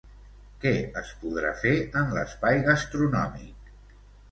Què es podrà fer en l'espai gastronòmic?